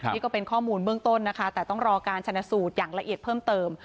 นี่ก็เป็นข้อมูลเบื้องต้นนะคะแต่ต้องรอการชนะสูตรอย่างละเอียดเพิ่มเติม